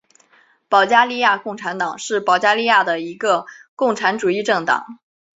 保加利亚共产党是保加利亚的一个共产主义政党。